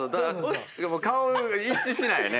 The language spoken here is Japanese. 顔一致しないね。